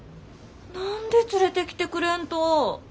何で連れてきてくれんと。